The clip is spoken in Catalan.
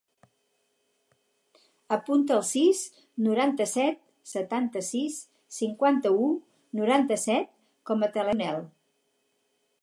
Apunta el sis, noranta-set, setanta-sis, cinquanta-u, noranta-set com a telèfon de l'Ènia Coronel.